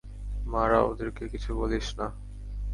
মারা, ওদেরকে কিছু বলিস না।